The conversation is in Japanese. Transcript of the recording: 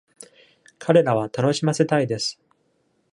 彼らは楽しませたいです。